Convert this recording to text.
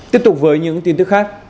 tiếp tục với những tin tức khác